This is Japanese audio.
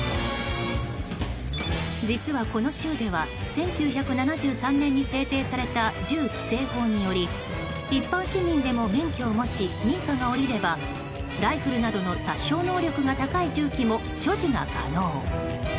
実は、この州では１９７３年に制定された銃規制法により一般市民でも免許を持ち認可が下りればライフルなどの殺傷能力が高い銃器も所持が可能。